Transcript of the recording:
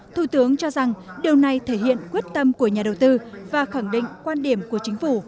thủ tướng cho rằng điều này thể hiện quyết tâm của nhà đầu tư và khẳng định quan điểm của chính phủ